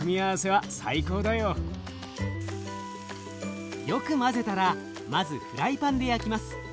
よく混ぜたらまずフライパンで焼きます。